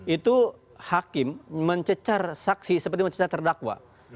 itu hakim mencecar saksi seperti mencecar terdakwa